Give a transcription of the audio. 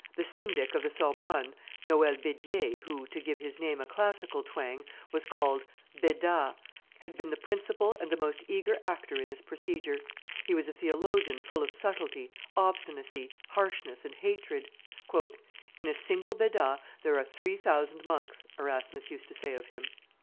The Syndic of the Sorbonne, Noel Bedier, who, to give his name a classical twang, was called Beda, had been the principal and the most eager actor in this procedure; he was a theologian full of subtlety, obstinacy, harshness, and hatred. "In a single Beda there are three thousand monks," Erasmus used to say of him.